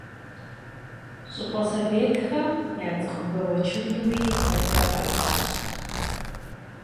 Щӏыпӏэ Советхэм я цӏыхубэ уэчылууи куэдрэ хахащ.